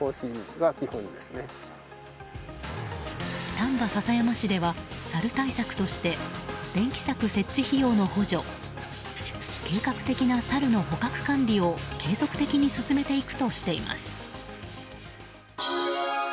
丹波篠山市ではサル対策として電気柵設置費用の補助計画的なサルの捕獲管理を継続的に進めていくとしています。